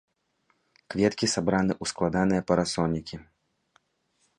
Кветкі сабраны ў складаныя парасонікі.